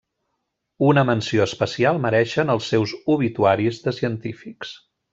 Una menció especial mereixen els seus obituaris de científics.